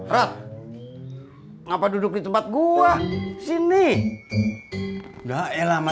rap ngapa duduk di tempat gua sini gaela